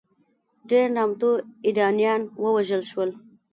ډېر نامتو ایرانیان ووژل شول.